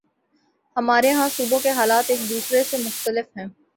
ہمارے ہاں صوبوں کے حالات ایک دوسرے سے مختلف ہیں۔